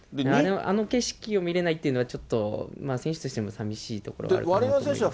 あの景色を見れないっていうのは、ちょっと選手としても寂しいところはありますね。